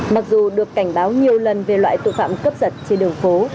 mặc dù được cảnh báo nhiều lần về loại tội phạm cướp giật trên đường phố